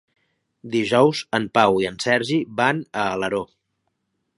Dijous en Pau i en Sergi van a Alaró.